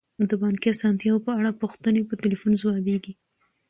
د بانکي اسانتیاوو په اړه پوښتنې په تلیفون ځوابیږي.